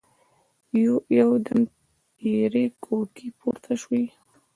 يودم تېرې کوکې پورته شوې.